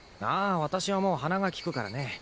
ああわたしはもう鼻が利くからね。